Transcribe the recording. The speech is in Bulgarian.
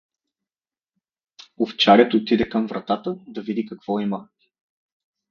Овчарят отиде към вратата да види какво има.